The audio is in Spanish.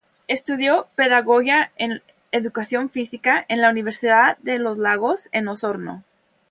Estudió pedagogía en educación física en la Universidad de Los Lagos, en Osorno.